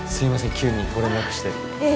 急にご連絡していえいえ